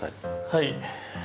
はい。